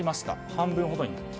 半分ほどに。